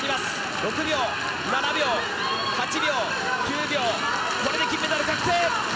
６秒、７秒、８秒、９秒、これで金メダル確定！